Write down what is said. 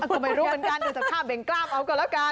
ก็ไม่รู้เหมือนกันดูสภาพเบ่งกล้ามเอาก็แล้วกัน